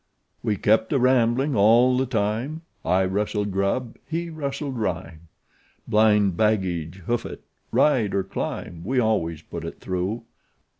"'We kept a rambling all the time. I rustled grub, he rustled rhyme "'Blind baggage, hoof it, ride or climb we always put it through.'